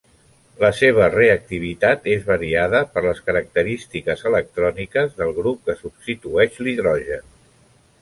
La seva reactivitat és variada per les característiques electròniques del grup que substitueix l'hidrogen.